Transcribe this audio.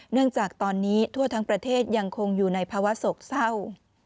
จากตอนนี้ทั่วทั้งประเทศยังคงอยู่ในภาวะโศกเศร้า